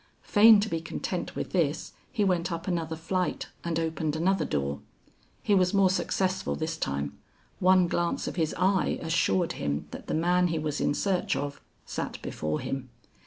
Fain to be content with this, he went up another flight and opened another door. He was more successful this time; one glance of his eye assured him that the man he was in search of, sat before him.